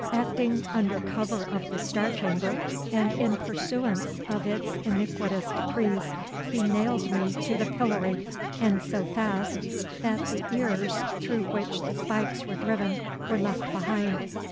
Acting under cover of the Star Chamber, and in pursuance of its iniquitous decrees, he nailed me to the pillory, and so fast, that the ears through which the spikes were driven were left behind.